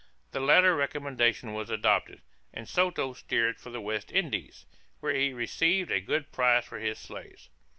The latter recommendation was adopted, and Soto steered for the West Indies, where he received a good price for his slaves.